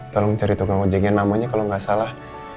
tolong cari tukang ojek yang namanya kalau nggak salah